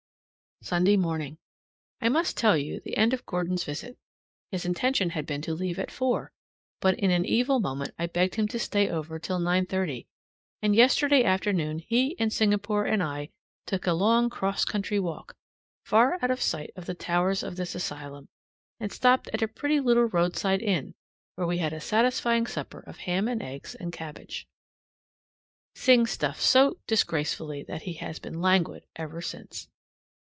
Sunday morning. I must tell you the end of Gordon's visit. His intention had been to leave at four, but in an evil moment I begged him to stay over till 9:30, and yesterday afternoon he and Singapore and I took a long 'cross country walk, far out of sight of the towers of this asylum, and stopped at a pretty little roadside inn, where we had a satisfying supper of ham and eggs and cabbage. Sing stuffed so disgracefully that he has been languid ever since.